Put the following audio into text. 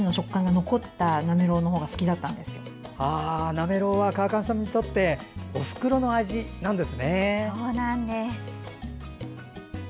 なめろうは川上さんにとっておふくろの味なんですね。